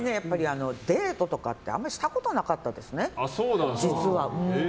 デートとかあんまりしたことなかったんです実は。